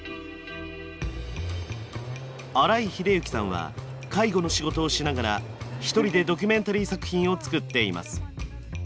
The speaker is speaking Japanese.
荒井秀之さんは介護の仕事をしながら一人でドキュメンタリー作品を作っています。